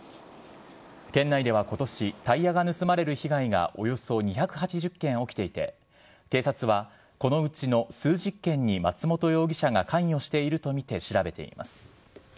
県内では今年タイヤが盗まれる被害がおよそ２８０件起きていて警察はこのうちの数十件に松本容疑者が関与しているとみて調べています。